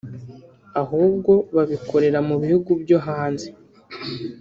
ahubwo babikorera mu bihugu byo hanze